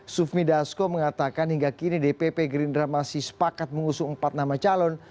sufmi dasko mengatakan hingga kini dpp gerindra masih sepakat mengusung empat nama calon